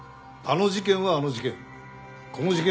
この事件はこの事件。